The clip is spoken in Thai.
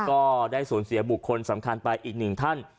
ก็ได้สูญเสียบุคคลสำคัญไปอีกหนึ่งท่าน